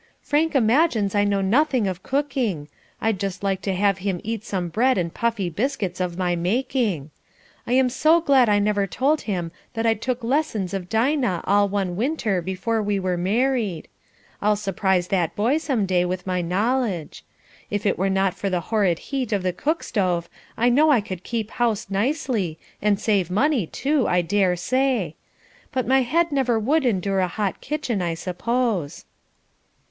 "Frank imagines I know nothing of cooking. I'd just like to have him eat some bread and puffy biscuits of my making. I am so glad I never told him that I took lessons of Dinah all one winter before we were married. I'll surprise that boy some day with my knowledge. If it were not for the horrid heat of the cook stove, I know I could keep house nicely, and save money, too, I dare say; but, my head never would endure a hot kitchen, I suppose."